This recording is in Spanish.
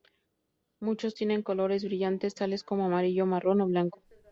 Muchos tienen colores brillantes tales como amarillo, marrón o blanco.